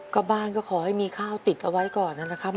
ก็บ้านก็ขอให้มีข้าวติดเอาไว้ก่อนนะครับ